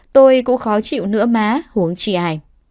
tôi cũng khó chịu nữa má huống chi ai